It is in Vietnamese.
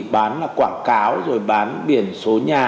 bán là quảng cáo rồi bán biển số nhà